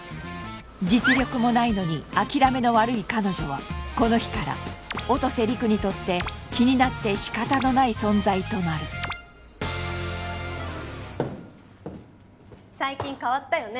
実力もないのに諦めの悪い彼女はこの日から音瀬陸にとって気になって仕方のない存在となる最近変わったよね